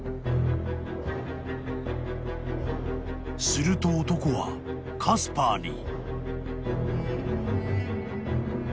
［すると男はカスパーに］